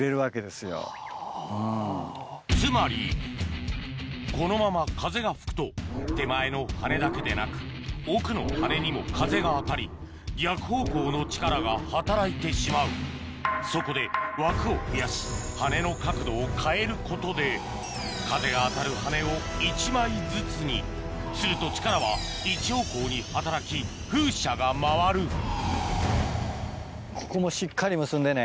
つまりこのまま風が吹くと手前の羽根だけでなく奥の羽根にも風が当たり逆方向の力が働いてしまうそこで枠を増やし羽根の角度を変えることで風が当たる羽根を１枚ずつにすると力は一方向に働き風車が回るここもしっかり結んでね。